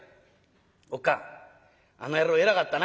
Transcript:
「おっ母ぁあの野郎偉かったな」。